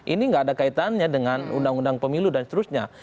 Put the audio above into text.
ini nggak ada kaitannya dengan undang undang pemilu dan seterusnya